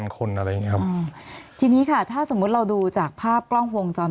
มีความรู้สึกว่ามีความรู้สึกว่ามีความรู้สึกว่ามีความรู้สึกว่า